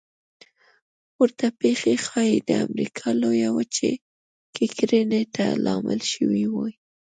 ورته پېښې ښایي د امریکا لویه وچه کې کرنې ته لامل شوې وي